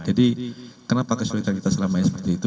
jadi kenapa kesulitan kita selamanya seperti itu